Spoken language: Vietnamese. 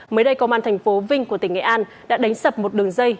mới đây công an thành phố vinh của tỉnh nghệ an đã đánh sập một đường dây